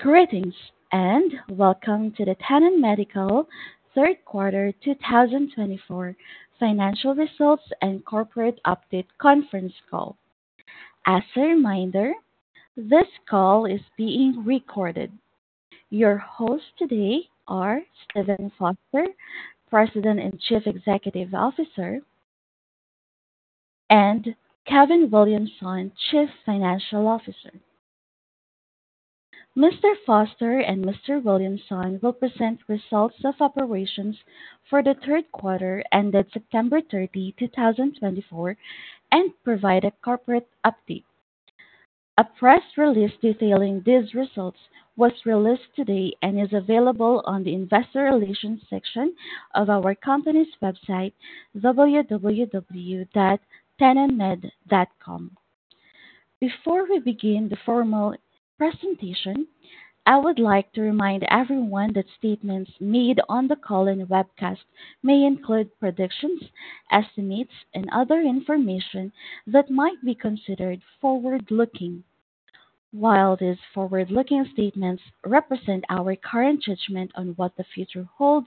Greetings and welcome to the Tenon Medical Third Quarter 2024 Financial Results and Corporate Update Conference call. As a reminder, this call is being recorded. Your hosts today are Steven Foster, President and Chief Executive Officer, and Kevin Williamson, Chief Financial Officer. Mr. Foster and Mr. Williamson will present results of operations for the third quarter ended September 30, 2024, and provide a corporate update. A press release detailing these results was released today and is available on the Investor Relations section of our company's website, www.tenonmed.com. Before we begin the formal presentation, I would like to remind everyone that statements made on the call and webcast may include predictions, estimates, and other information that might be considered forward-looking. While these forward-looking statements represent our current judgment on what the future holds,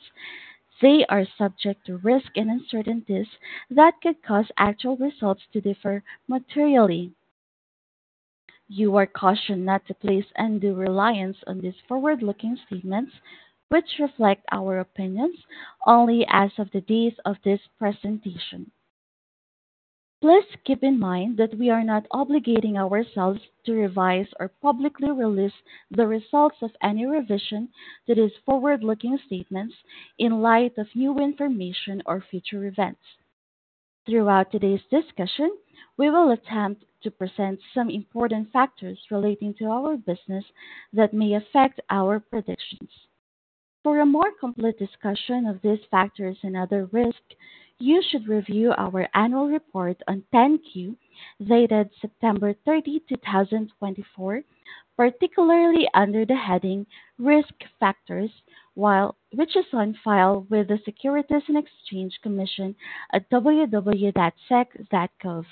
they are subject to risks and uncertainties that could cause actual results to differ materially. You are cautioned not to place undue reliance on these forward-looking statements, which reflect our opinions only as of the date of this presentation. Please keep in mind that we are not obligating ourselves to revise or publicly release the results of any revision to these forward-looking statements in light of new information or future events. Throughout today's discussion, we will attempt to present some important factors relating to our business that may affect our predictions. For a more complete discussion of these factors and other risks, you should review our annual report on 10-Q dated September 30, 2024, particularly under the heading "Risk Factors," which is on file with the Securities and Exchange Commission at www.sec.gov.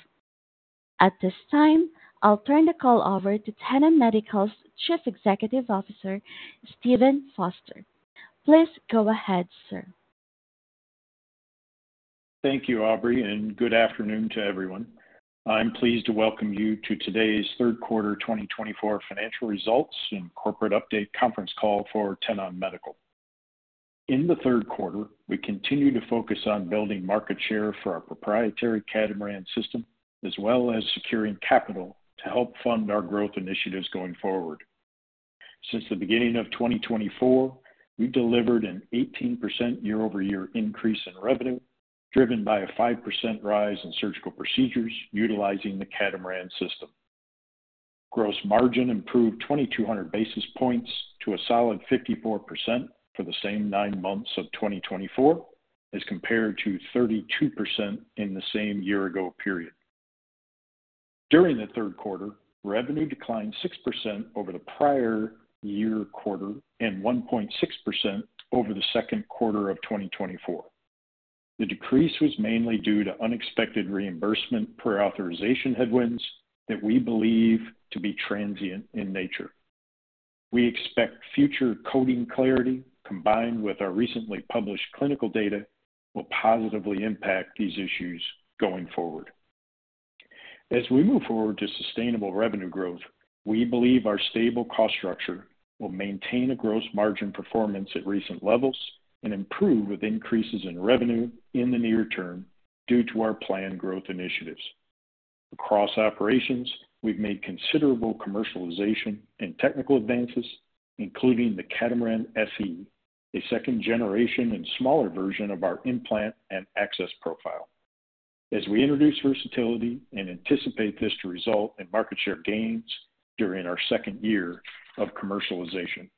At this time, I'll turn the call over to Tenon Medical's Chief Executive Officer, Steven Foster. Please go ahead, sir. Thank you, Aubrey, and good afternoon to everyone. I'm pleased to welcome you to today's Third Quarter 2024 Financial Results and Corporate Update Conference call for Tenon Medical. In the third quarter, we continue to focus on building market share for our proprietary Catamaran system, as well as securing capital to help fund our growth initiatives going forward. Since the beginning of 2024, we've delivered an 18% year-over-year increase in revenue, driven by a 5% rise in surgical procedures utilizing the Catamaran system. Gross margin improved 2,200 basis points to a solid 54% for the same nine months of 2024, as compared to 32% in the same year-ago period. During the third quarter, revenue declined 6% over the prior year quarter and 1.6% over the second quarter of 2024. The decrease was mainly due to unexpected reimbursement prior authorization headwinds that we believe to be transient in nature. We expect future coding clarity, combined with our recently published clinical data, will positively impact these issues going forward. As we move forward to sustainable revenue growth, we believe our stable cost structure will maintain a gross margin performance at recent levels and improve with increases in revenue in the near term due to our planned growth initiatives. Across operations, we've made considerable commercialization and technical advances, including the Catamaran SE, a second-generation and smaller version of our implant and access profile, as we introduce versatility and anticipate this to result in market share gains during our second year of commercialization.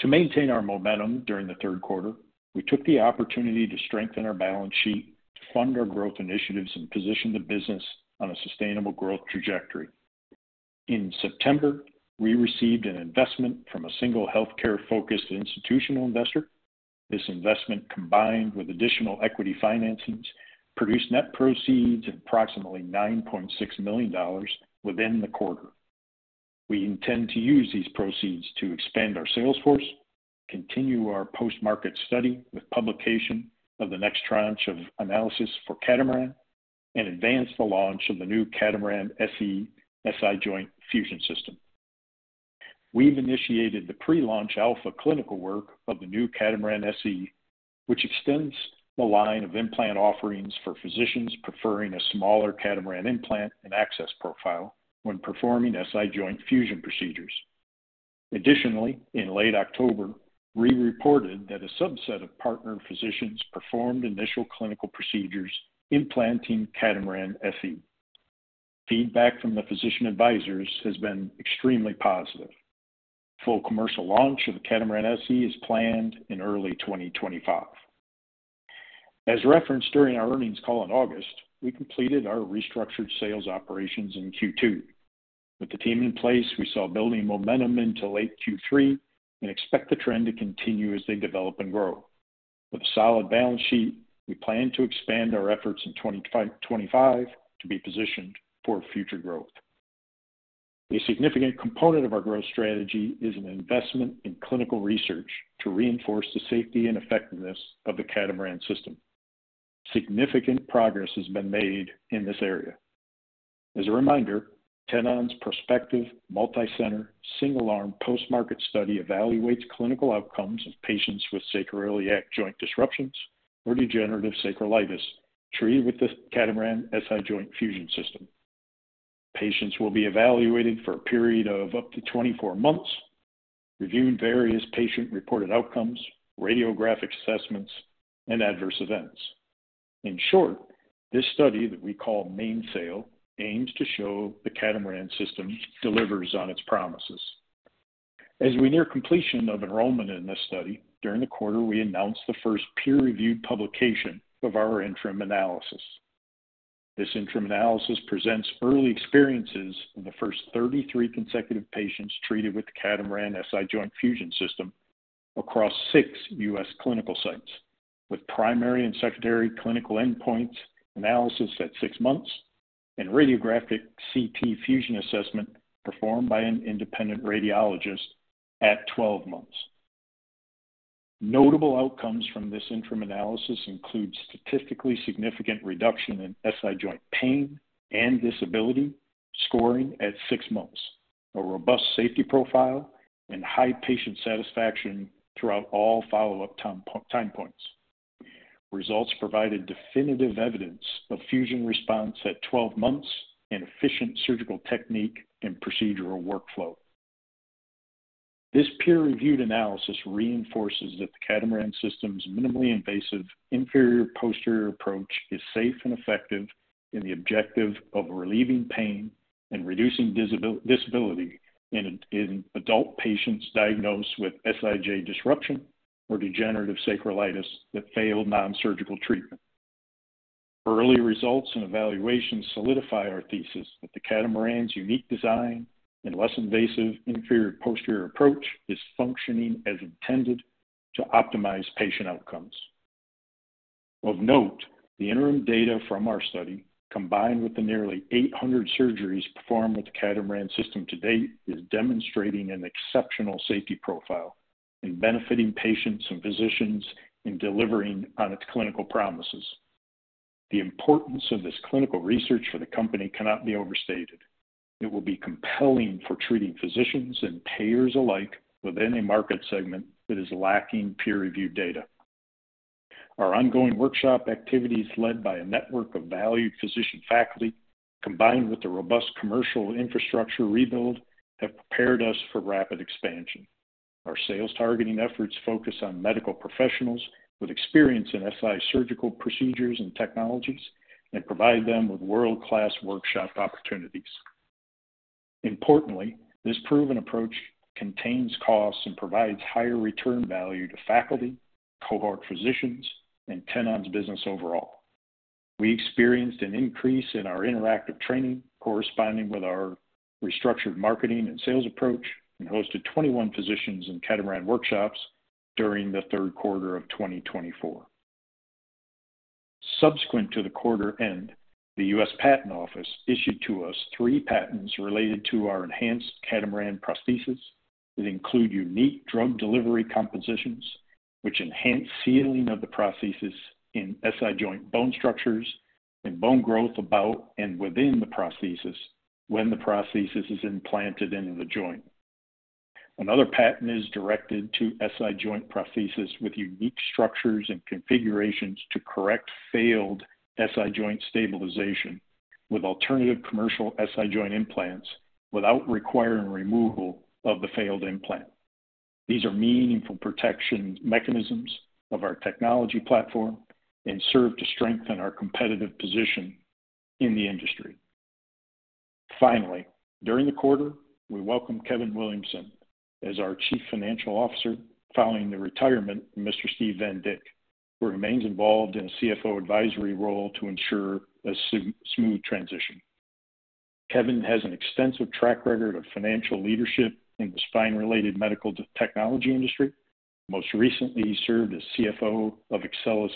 To maintain our momentum during the third quarter, we took the opportunity to strengthen our balance sheet to fund our growth initiatives and position the business on a sustainable growth trajectory. In September, we received an investment from a single healthcare-focused institutional investor. This investment, combined with additional equity financings, produced net proceeds of approximately $9.6 million within the quarter. We intend to use these proceeds to expand our sales force, continue our post-market study with publication of the next tranche of analysis for Catamaran, and advance the launch of the new Catamaran SE SI joint fusion system. We've initiated the pre-launch alpha clinical work of the new Catamaran SE, which extends the line of implant offerings for physicians preferring a smaller Catamaran implant and access profile when performing SI joint fusion procedures. Additionally, in late October, we reported that a subset of partner physicians performed initial clinical procedures implanting Catamaran SE. Feedback from the physician advisors has been extremely positive. Full commercial launch of the Catamaran SE is planned in early 2025. As referenced during our earnings call in August, we completed our restructured sales operations in Q2. With the team in place, we saw building momentum into late Q3 and expect the trend to continue as they develop and grow. With a solid balance sheet, we plan to expand our efforts in 2025 to be positioned for future growth. A significant component of our growth strategy is an investment in clinical research to reinforce the safety and effectiveness of the Catamaran system. Significant progress has been made in this area. As a reminder, Tenon's prospective multi-center single-arm post-market study evaluates clinical outcomes of patients with sacroiliac joint disruptions or degenerative sacroiliitis treated with the Catamaran SI joint fusion system. Patients will be evaluated for a period of up to 24 months, reviewing various patient-reported outcomes, radiographic assessments, and adverse events. In short, this study that we call MAINSAIL aims to show the Catamaran system delivers on its promises. As we near completion of enrollment in this study, during the quarter, we announced the first peer-reviewed publication of our interim analysis. This interim analysis presents early experiences of the first 33 consecutive patients treated with the Catamaran SI joint fusion system across six U.S. clinical sites, with primary and secondary clinical endpoints analysis at six months and radiographic CT fusion assessment performed by an independent radiologist at 12 months. Notable outcomes from this interim analysis include statistically significant reduction in SI joint pain and disability scoring at six months, a robust safety profile, and high patient satisfaction throughout all follow-up time points. Results provided definitive evidence of fusion response at 12 months and efficient surgical technique and procedural workflow. This peer-reviewed analysis reinforces that the Catamaran system's minimally invasive inferior-posterior approach is safe and effective in the objective of relieving pain and reducing disability in adult patients diagnosed with SIJ disruption or degenerative sacroiliitis that failed nonsurgical treatment. Early results and evaluations solidify our thesis that the Catamaran's unique design and less invasive inferior-posterior approach is functioning as intended to optimize patient outcomes. Of note, the interim data from our study, combined with the nearly 800 surgeries performed with the Catamaran system to date, is demonstrating an exceptional safety profile and benefiting patients and physicians in delivering on its clinical promises. The importance of this clinical research for the company cannot be overstated. It will be compelling for treating physicians and payers alike within a market segment that is lacking peer-reviewed data. Our ongoing workshop activities, led by a network of valued physician faculty, combined with the robust commercial infrastructure rebuild, have prepared us for rapid expansion. Our sales targeting efforts focus on medical professionals with experience in SI surgical procedures and technologies and provide them with world-class workshop opportunities. Importantly, this proven approach contains costs and provides higher return value to faculty, cohort physicians, and Tenon's business overall. We experienced an increase in our interactive training, corresponding with our restructured marketing and sales approach, and hosted 21 physicians and Catamaran workshops during the third quarter of 2024. Subsequent to the quarter end, the U.S. Patent Office issued to us three patents related to our enhanced Catamaran prosthesis. They include unique drug delivery compositions, which enhance sealing of the prosthesis in SI joint bone structures and bone growth about and within the prosthesis when the prosthesis is implanted into the joint. Another patent is directed to SI joint prosthesis with unique structures and configurations to correct failed SI joint stabilization with alternative commercial SI joint implants without requiring removal of the failed implant. These are meaningful protection mechanisms of our technology platform and serve to strengthen our competitive position in the industry. Finally, during the quarter, we welcome Kevin Williamson as our Chief Financial Officer following the retirement of Mr. Steven Van Dick, who remains involved in a CFO advisory role to ensure a smooth transition. Kevin has an extensive track record of financial leadership in the spine-related medical technology industry. Most recently, he served as CFO of Accelus,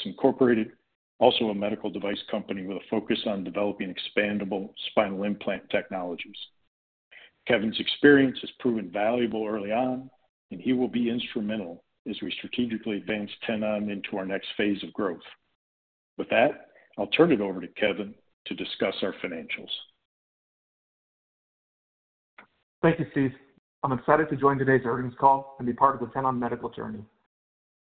also a medical device company with a focus on developing expandable spinal implant technologies. Kevin's experience has proven valuable early on, and he will be instrumental as we strategically advance Tenon into our next phase of growth. With that, I'll turn it over to Kevin to discuss our financials. Thank you, Steve. I'm excited to join today's earnings call and be part of the Tenon Medical Journey.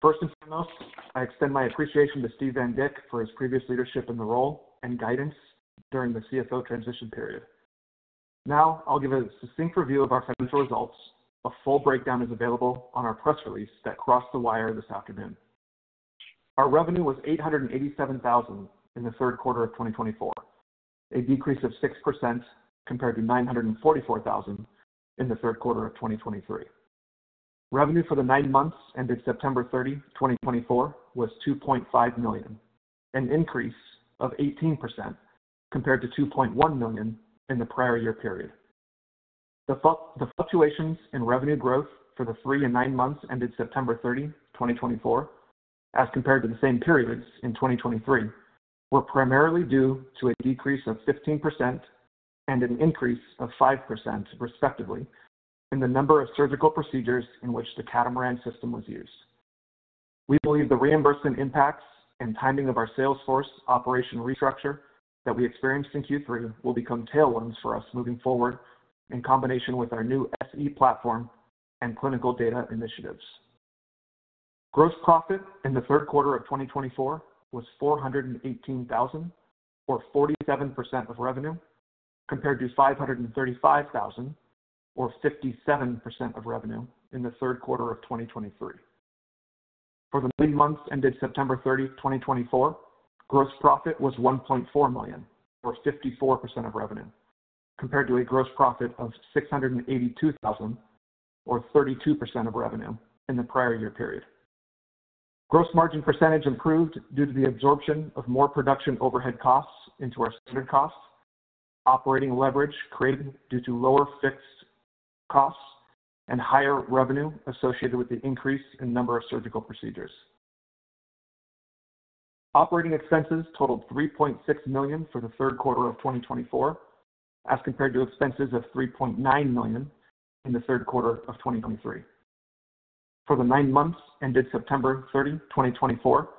First and foremost, I extend my appreciation to Steven Van Dick for his previous leadership in the role and guidance during the CFO transition period. Now, I'll give a succinct review of our financial results. A full breakdown is available on our press release that crossed the wire this afternoon. Our revenue was $887,000 in the third quarter of 2024, a decrease of 6% compared to $944,000 in the third quarter of 2023. Revenue for the nine months ended September 30, 2024, was $2.5 million, an increase of 18% compared to $2.1 million in the prior year period. The fluctuations in revenue growth for the three and nine months ended September 30, 2024, as compared to the same periods in 2023, were primarily due to a decrease of 15% and an increase of 5%, respectively, in the number of surgical procedures in which the Catamaran system was used. We believe the reimbursement impacts and timing of our sales force operation restructure that we experienced in Q3 will become tailwinds for us moving forward in combination with our new SE platform and clinical data initiatives. Gross profit in the third quarter of 2024 was $418,000, or 47% of revenue, compared to $535,000, or 57% of revenue in the third quarter of 2023. For the three months ended September 30, 2024, gross profit was $1.4 million, or 54% of revenue, compared to a gross profit of $682,000, or 32% of revenue in the prior year period. Gross margin percentage improved due to the absorption of more production overhead costs into our standard costs, operating leverage created due to lower fixed costs, and higher revenue associated with the increase in number of surgical procedures. Operating expenses totaled $3.6 million for the third quarter of 2024, as compared to expenses of $3.9 million in the third quarter of 2023. For the nine months ended September 30, 2024,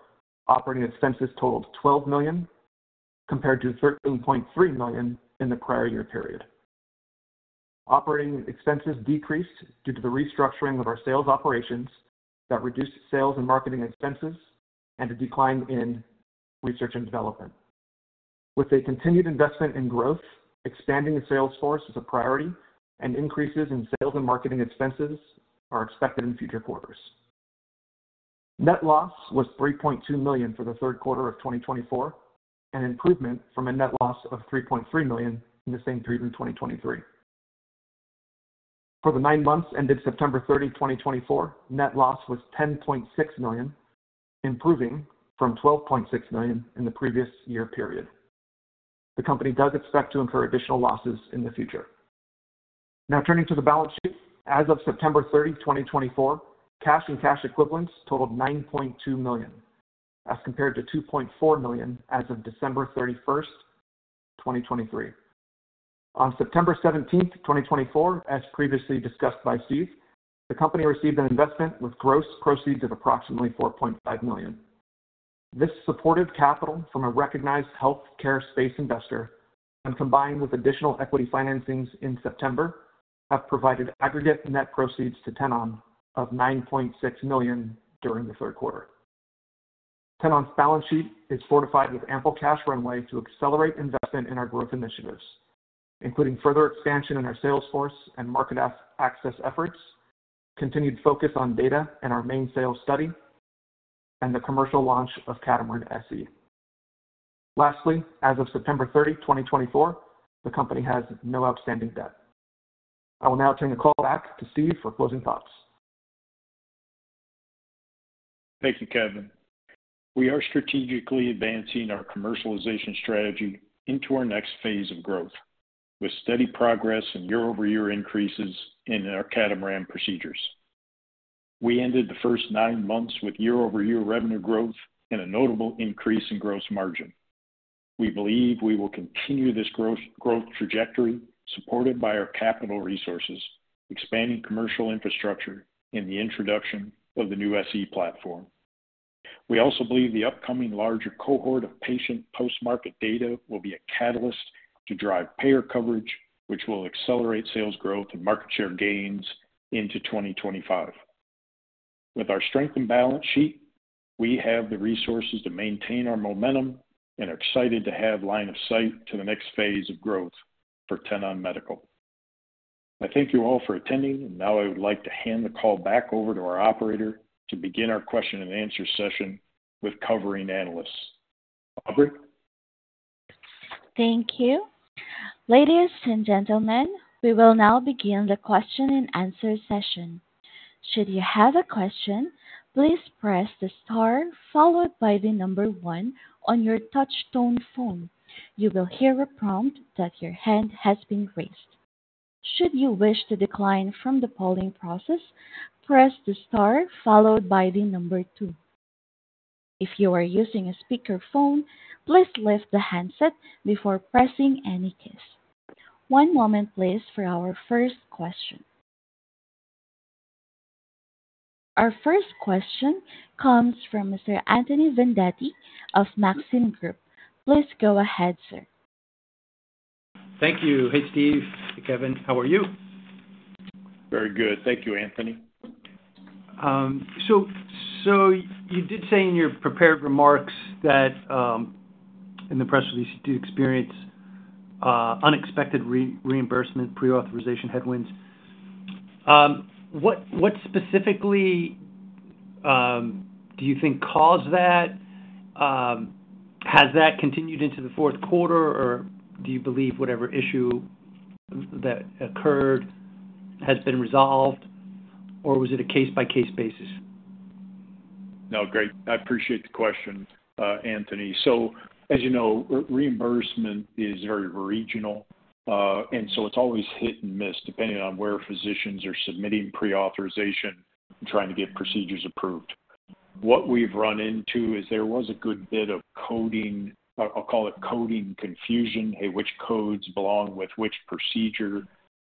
operating expenses totaled $12 million, compared to $13.3 million in the prior year period. Operating expenses decreased due to the restructuring of our sales operations that reduced sales and marketing expenses and a decline in research and development. With a continued investment in growth, expanding the sales force is a priority, and increases in sales and marketing expenses are expected in future quarters. Net loss was $3.2 million for the third quarter of 2024, an improvement from a net loss of $3.3 million in the same period in 2023. For the nine months ended September 30, 2024, net loss was $10.6 million, improving from $12.6 million in the previous year period. The company does expect to incur additional losses in the future. Now, turning to the balance sheet, as of September 30, 2024, cash and cash equivalents totaled $9.2 million, as compared to $2.4 million as of December 31, 2023. On September 17, 2024, as previously discussed by Steve, the company received an investment with gross proceeds of approximately $4.5 million. This supportive capital from a recognized healthcare space investor, when combined with additional equity financings in September, has provided aggregate net proceeds to Tenon of $9.6 million during the third quarter. Tenon's balance sheet is fortified with ample cash runway to accelerate investment in our growth initiatives, including further expansion in our sales force and market access efforts, continued focus on data and our MAINSAIL study, and the commercial launch of Catamaran SE. Lastly, as of September 30, 2024, the company has no outstanding debt. I will now turn the call back to Steve for closing thoughts. Thank you, Kevin. We are strategically advancing our commercialization strategy into our next phase of growth, with steady progress and year-over-year increases in our Catamaran procedures. We ended the first nine months with year-over-year revenue growth and a notable increase in gross margin. We believe we will continue this growth trajectory, supported by our capital resources, expanding commercial infrastructure, and the introduction of the new SE platform. We also believe the upcoming larger cohort of patient post-market data will be a catalyst to drive payer coverage, which will accelerate sales growth and market share gains into 2025. With our strength and balance sheet, we have the resources to maintain our momentum and are excited to have line of sight to the next phase of growth for Tenon Medical. I thank you all for attending, and now I would like to hand the call back over to our operator to begin our question-and-answer session with covering analysts. Aubrey? Thank you. Ladies and gentlemen, we will now begin the question-and-answer session. Should you have a question, please press the star followed by the number one on your touch-tone phone. You will hear a prompt that your hand has been raised. Should you wish to decline from the polling process, press the star followed by the number two. If you are using a speakerphone, please lift the handset before pressing any case. One moment, please, for our first question. Our first question comes from Mr. Anthony Vendetti of Maxim Group. Please go ahead, sir. Thank you. Hey, Steve, Kevin, how are you? Very good. Thank you, Anthony. So you did say in your prepared remarks that in the press release, you did experience unexpected reimbursement, pre-authorization headwinds. What specifically do you think caused that? Has that continued into the fourth quarter, or do you believe whatever issue that occurred has been resolved, or was it a case-by-case basis? No, great. I appreciate the question, Anthony. So, as you know, reimbursement is very regional, and so it's always hit and miss depending on where physicians are submitting pre-authorization and trying to get procedures approved. What we've run into is there was a good bit of coding - I'll call it coding confusion - hey, which codes belong with which procedure.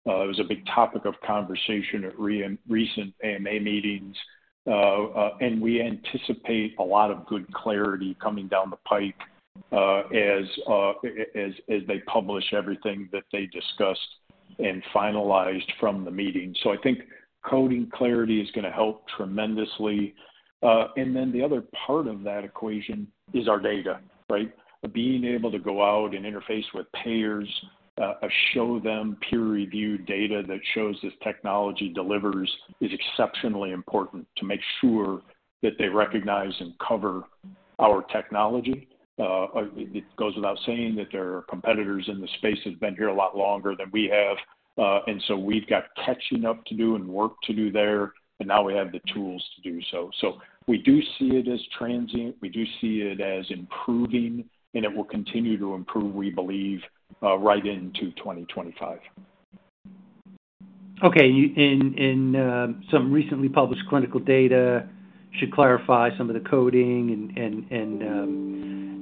It was a big topic of conversation at recent AMA meetings, and we anticipate a lot of good clarity coming down the pike as they publish everything that they discussed and finalized from the meeting. So I think coding clarity is going to help tremendously. And then the other part of that equation is our data, right? Being able to go out and interface with payers, show them peer-reviewed data that shows this technology delivers is exceptionally important to make sure that they recognize and cover our technology. It goes without saying that there are competitors in the space that have been here a lot longer than we have, and so we've got catching up to do and work to do there, and now we have the tools to do so. So we do see it as transient. We do see it as improving, and it will continue to improve, we believe, right into 2025. Okay. And some recently published clinical data should clarify some of the coding and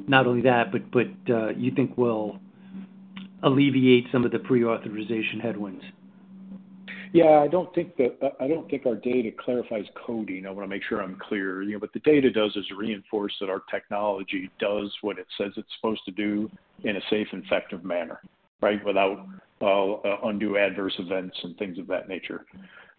not only that, but you think will alleviate some of the pre-authorization headwinds? Yeah. I don't think that. I don't think our data clarifies coding. I want to make sure I'm clear. What the data does is reinforce that our technology does what it says it's supposed to do in a safe and effective manner, right, without undue adverse events and things of that nature.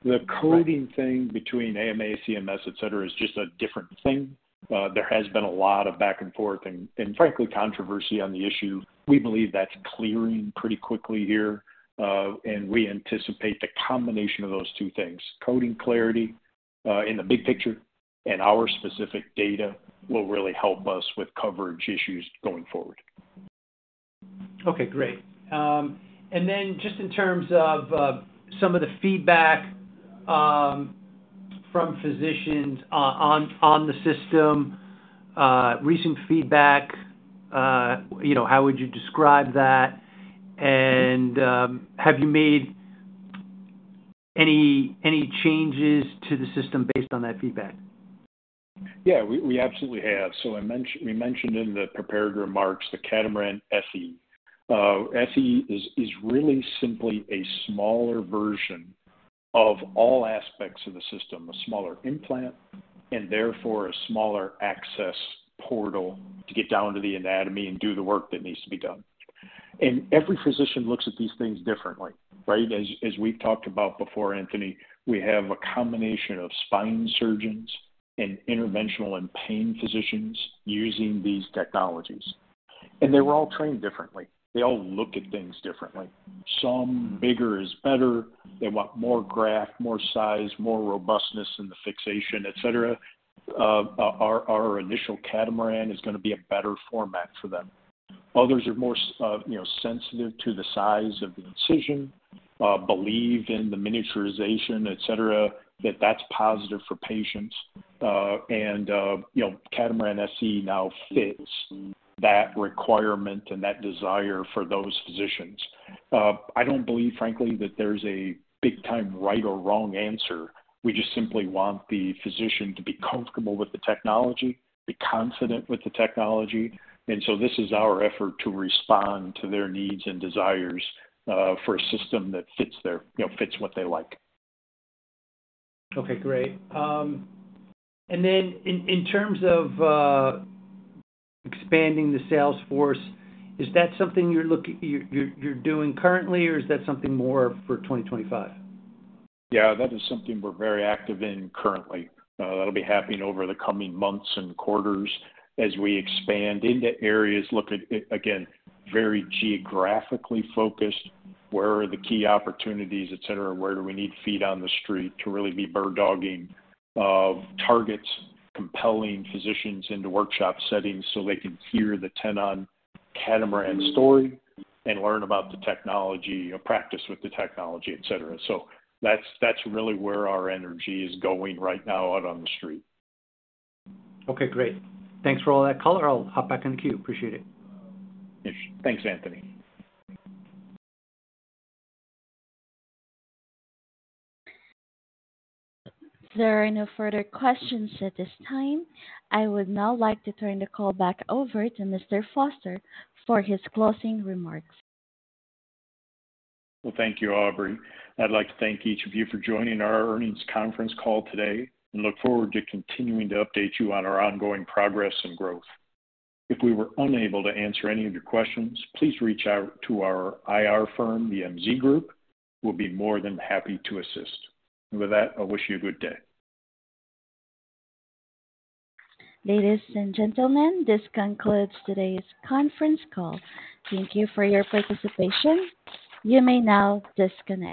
The coding thing between AMA, CMS, etc., is just a different thing. There has been a lot of back and forth and, frankly, controversy on the issue. We believe that's clearing pretty quickly here, and we anticipate the combination of those two things: coding clarity in the big picture and our specific data will really help us with coverage issues going forward. Okay. Great. And then just in terms of some of the feedback from physicians on the system, recent feedback, how would you describe that? And have you made any changes to the system based on that feedback? Yeah, we absolutely have. So we mentioned in the prepared remarks the Catamaran SE. SE is really simply a smaller version of all aspects of the system, a smaller implant, and therefore a smaller access portal to get down to the anatomy and do the work that needs to be done. And every physician looks at these things differently, right? As we've talked about before, Anthony, we have a combination of spine surgeons and interventional and pain physicians using these technologies, and they were all trained differently. They all look at things differently. Some bigger is better. They want more graft, more size, more robustness in the fixation, etc. Our initial Catamaran is going to be a better format for them. Others are more sensitive to the size of the incision, believe in the miniaturization, etc., that that's positive for patients. And Catamaran SE now fits that requirement and that desire for those physicians. I don't believe, frankly, that there's a big-time right or wrong answer. We just simply want the physician to be comfortable with the technology, be confident with the technology. And so this is our effort to respond to their needs and desires for a system that fits what they like. Okay. Great. And then in terms of expanding the sales force, is that something you're doing currently, or is that something more for 2025? Yeah, that is something we're very active in currently. That'll be happening over the coming months and quarters as we expand into areas, look at, again, very geographically focused, where are the key opportunities, etc., where do we need feet on the street to really be bird-dogging targets, compelling physicians into workshop settings so they can hear the Tenon Catamaran story and learn about the technology or practice with the technology, etc. So that's really where our energy is going right now out on the street. Okay. Great. Thanks for all that, caller. I'll hop back in the queue. Appreciate it. Thanks, Anthony. If there are no further questions at this time, I would now like to turn the call back over to Mr. Foster for his closing remarks. Thank you, Aubrey. I'd like to thank each of you for joining our earnings conference call today and look forward to continuing to update you on our ongoing progress and growth. If we were unable to answer any of your questions, please reach out to our IR firm, the MZ Group. We'll be more than happy to assist. With that, I wish you a good day. Ladies and gentlemen, this concludes today's conference call. Thank you for your participation. You may now disconnect.